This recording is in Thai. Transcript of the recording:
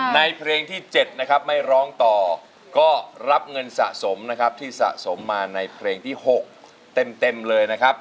ในเพลงที่๗นะครับไม่ร้องต่อก็รับเงินสะสมนะครับที่สะสมมาในเพลงที่๖เต็มเลยนะครับ